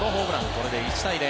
これで１対０。